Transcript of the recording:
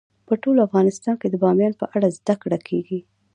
په ټول افغانستان کې د بامیان په اړه زده کړه کېږي.